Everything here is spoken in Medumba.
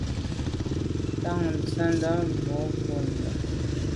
Ntan ntshètndà boa nko’ndà.